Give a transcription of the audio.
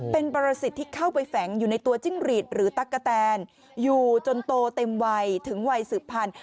เป็นประสิทธิ์ที่เข้าไปแฝงอยู่ในตัวจิ้งหรีดหรือตั๊กกะแตนอยู่จนโตเต็มวัยถึงวัยสืบพันธุ